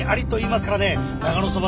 長野そば